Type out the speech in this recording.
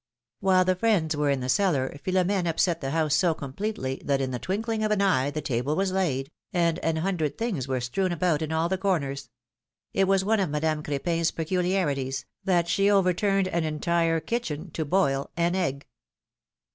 11 170 PHILOMi:NE's MARRIAGES. While the friends were in the cellar, Philom^ne upset the house so completely that in the twinkling of an eye the table was laid, and an hundred things were strewn about in all the corners; it was one of Madame Cr^pin^s peculiarities, that she overturned an entire kitchen to boil an egg.